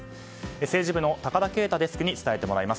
政治部の高田圭太デスクに伝えてもらいます。